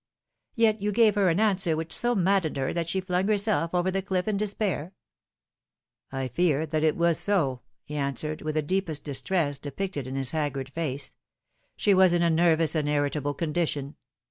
" Yet you gave her an answer which so maddened her that she flung herself over the cliff in her despair ?"" I fear that it was so," he answered, with the deepest distress depicted in his haggard face. " She was in a nervous and irritable condition.